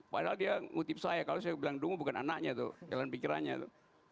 padahal dia ngutip saya kalau saya bilang dungu bukan anaknya tuh jalan pikirannya tuh